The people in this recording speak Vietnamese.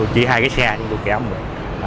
chí hai cái xe thì tôi kéo mình